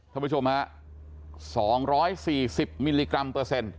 ท่านผู้ชมฮะ๒๔๐มิลลิกรัมเปอร์เซ็นต์